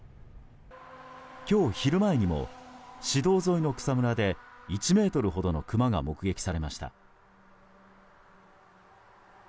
今日昼前にも市道沿いの草むらで１ｍほどのクマが目撃されました。